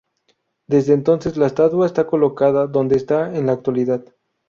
Desde entonces la estatua está colocada donde está en la actualidad.